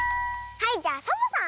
はいじゃあサボさん！